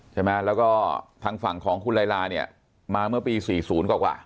ใช่ไหมแล้วก็ทางฝั่งของคุณลายลาเนี่ยมาเมื่อปี๔๐กว่า